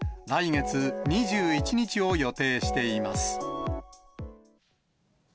来月２１日を予定しています。